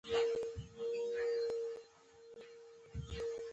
ژبه یوازې د کتابونو لپاره نه ده.